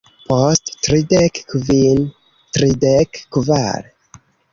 Post tridek kvin... tridek kvar